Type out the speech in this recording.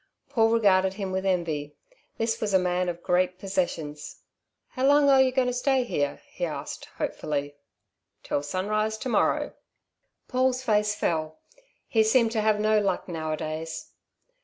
Paul regarded him with envy. This was a man of great possessions. "How long are yo' going to stay here?" he asked hopefully. "Till sunrise to morrow." Paul's face fell. He seemed to have no luck nowadays.